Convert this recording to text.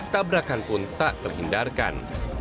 tabrakan pun tak terhindarkan